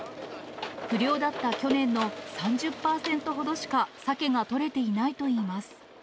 不漁だった去年の３０％ほどしかサケが取れていないといいます。